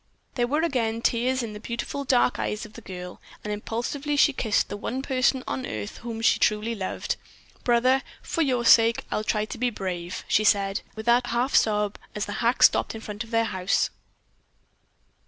There were again tears in the beautiful dark eyes of the girl, and impulsively she kissed the one person on earth whom she truly loved. "Brother, for your sake I'll try to be brave," she said with a half sob as the hack stopped in front of their home.